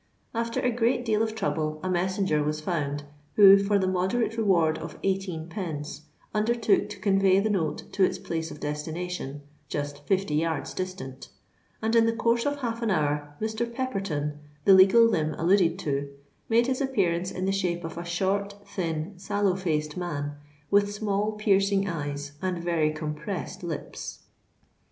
After a great deal of trouble, a messenger was found, who, for the moderate reward of eighteen pence, undertook to convey the note to its place of destination—just fifty yards distant; and in the course of half an hour, Mr. Pepperton, the legal limb alluded to, made his appearance in the shape of a short, thin, sallow faced man, with small piercing eyes, and very compressed lips.